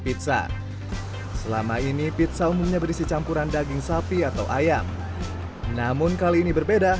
pizza selama ini pizza umumnya berisi campuran daging sapi atau ayam namun kali ini berbeda